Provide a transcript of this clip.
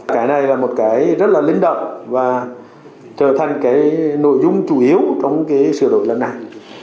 cái này là một cái rất là linh động và trở thành cái nội dung chủ yếu trong cái sửa đổi lần này